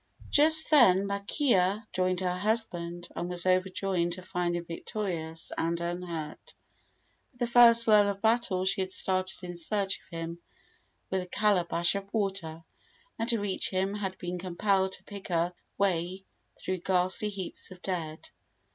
Just then Makea joined her husband, and was overjoyed to find him victorious and unhurt. With the first lull of battle she had started in search of him with a calabash of water, and to reach him had been compelled to pick her way through ghastly heaps of dead.